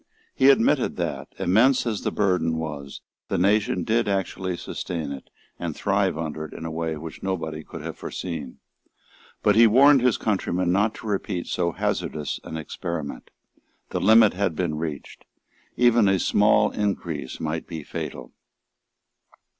He admitted that, immense as the burden was, the nation did actually sustain it and thrive under it in a way which nobody could have foreseen. But he warned his countrymen not to repeat so hazardous an experiment. The limit had been reached. Even a small increase might be fatal.